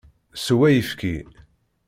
Sew ayefki!